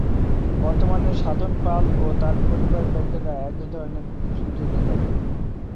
বর্তমানে সাধন পাল ও তার পরিবারের লোকেরা এই ধরনে পুতুল তৈরী করেন।